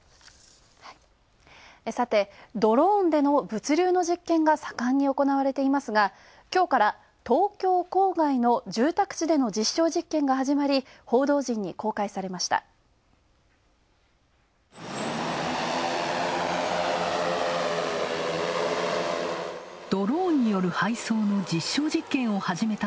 ドローンで物流の実験が盛んに行われていますがきょうから東京郊外の住宅地での実証実験が始まり報道陣に公開されました。